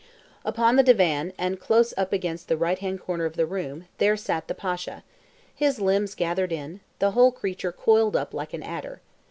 Upon the divan, and close up against the right hand corner of the room, there sat the Pasha, his limbs gathered in, the whole creature coiled up like an adder.